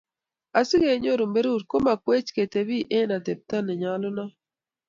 asikenyoru berur, komakwech ketebi eng atependo nenyalunot